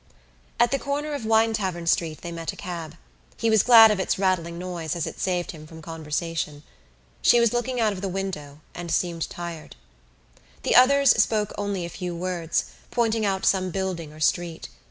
At the corner of Winetavern Street they met a cab. He was glad of its rattling noise as it saved him from conversation. She was looking out of the window and seemed tired. The others spoke only a few words, pointing out some building or street.